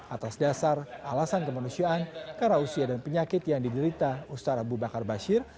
atas dasar alasan kemanusiaan karausia dan penyakit yang diderita ustadz abu bakar bashir